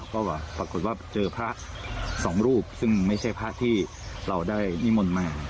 ก็ปรากฏว่าเจอพระสองรูปซึ่งไม่ใช่พระที่เราได้นิมนต์มา